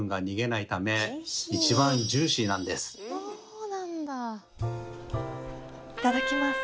いただきます。